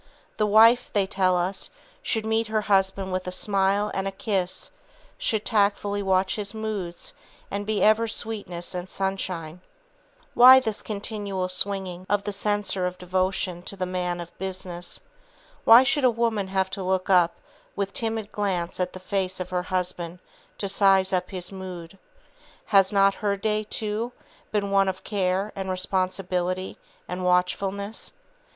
"The wife," they tell us, "should meet her husband with a smile and a kiss, should tactfully watch his moods and be ever sweetness and sunshine." Why this continual swinging of the censer of devotion to the man of business? Why should a woman have to look up with timid glance at the face of her husband, to "size up his mood"? Has not her day, too, been one of care, and responsibility, and watchfulness?